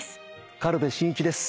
軽部真一です。